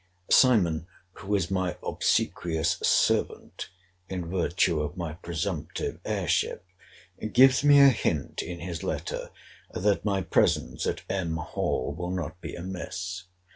Simon, who is my obsequious servant, in virtue of my presumptive heirship, gives me a hint in his letter, that my presence at M. Hall will not be amiss.